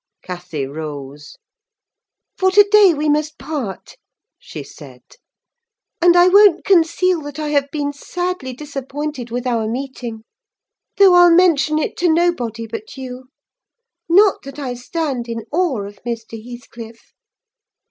Cathy rose. "For to day we must part," she said. "And I won't conceal that I have been sadly disappointed with our meeting; though I'll mention it to nobody but you: not that I stand in awe of Mr. Heathcliff."